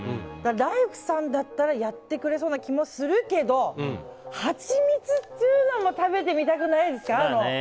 ライフさんだったらやってくれそうな気もしますけどハチミツっていうのも食べてみたくないですか